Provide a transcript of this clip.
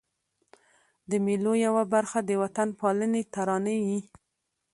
د مېلو یوه برخه د وطن پالني ترانې يي.